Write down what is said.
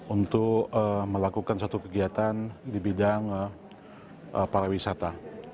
untuk melakukan satu kegiatan di bidang pariwisata